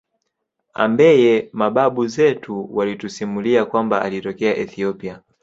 ambeye mababu zetu walitusimulia kwamba alitokea Ethiopia